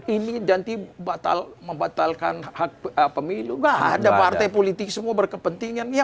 ini ganti membatalkan hak pemilu gak ada partai politik semua berkepentingan